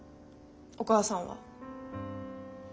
お母さんは。